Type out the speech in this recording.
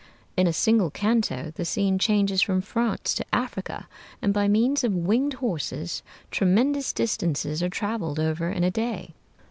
In a single canto the scene changes from France to Africa, and by means of winged horses tremendous distances are traveled over in a day.